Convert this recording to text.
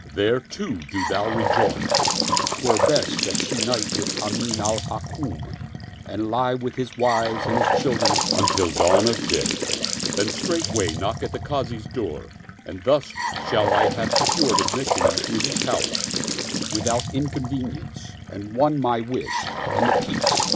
Thereto do thou rejoin : 'Twere best that she night with Amin al Hukm and lie 57 Oriental Mystery Stories with his wives and children until dawn of day. Then straightway knock at the Kazi's door, and thus shall I have secured admission into his house, without inconvenience, and won my wish ; and — the Peace